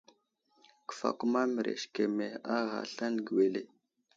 Kəfakuma mərez keme a ghay aslane wele.